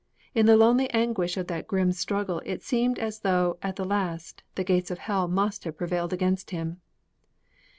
In the lonely anguish of that grim struggle it seemed as though, at the last, the gates of hell must have prevailed against him.